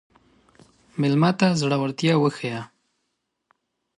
مېلمه ته زړورتیا وښیه.